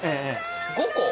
５個！？